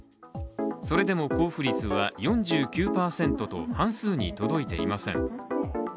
それでも交付率は４９％と半数に届いていません。